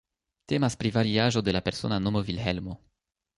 Temas pri variaĵo de la persona nomo Vilhelmo.